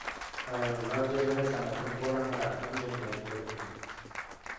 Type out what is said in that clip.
Павеллаах дьиэлэрэ саҥатык буолан ыраахтан дьэндэйэн көһүннэ